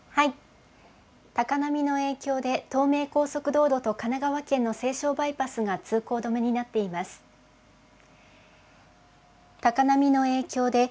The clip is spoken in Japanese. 高波の影響で、東名高速道路と神奈川県の西湘バイパスが通行止めになっています。